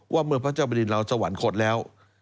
ว่าเมื่อพระเจ้าบริณเราสวรรคตแล้ว